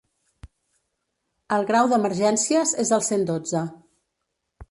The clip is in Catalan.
El grau d'emergències és el cent dotze.